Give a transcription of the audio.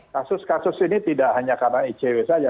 kasus kasus ini tidak hanya karena icw saja